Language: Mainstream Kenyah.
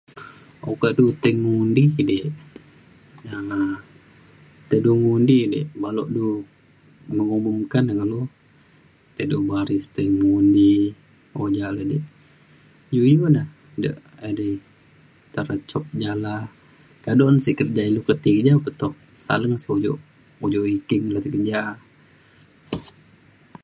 uka du tai ngundi dik jane tai du ngundi dik baluk du mengumumkan na kulu tai du baris tai du undi oja la dik iu iu ne de' edai tai re cop ja la kaduk na sik kerja ilu ke ti keja pe to saleng sik ujuk ujuk iking le keja